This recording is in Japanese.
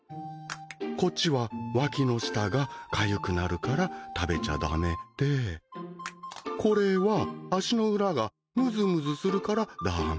こっちは脇の下がかゆくなるから食べちゃ駄目でこれは足の裏がむずむずするから駄目。